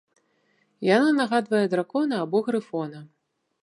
Яна нагадвае дракона або грыфона.